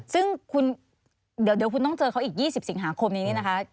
ซึ่งคุณเดี๋ยวคุณต้องเจอเขาอีก๒๐สิงหาคมนี้นี่นะคะ